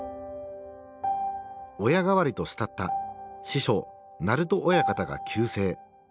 親代わりと慕った師匠鳴戸親方が急逝。